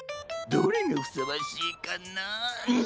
どれがふさわしいかなンヅフッ。